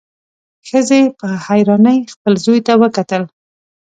ښځې په حيرانۍ خپل زوی ته وکتل.